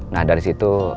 nah dari situ